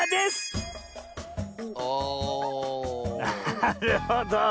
なるほど。